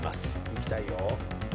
行きたいよ。